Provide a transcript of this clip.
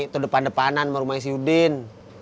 itu depan depanan sama rumahnya si udin